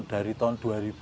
dari tahun dua ribu